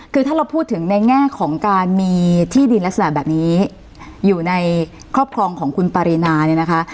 คือถ้าเราพูดถึงในแง่ของการมีที่ดินลักษณะแบบนี้อยู่ในครอบครองของคุณปารีนาเนี่ยนะคะ